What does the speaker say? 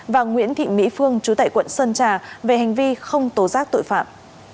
và nguyễn thị mỹ phương trú tại quận sơn trà về hành vi không tổ giác tội phạm